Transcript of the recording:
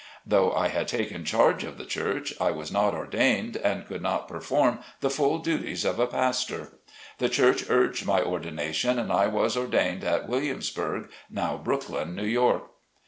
Though I had taken charge of the church, I was not ordained and could not perform the full duties of a pastor. The church urged my ordination, and I was ordained at Williamsburgh, now Brooklyn, New York.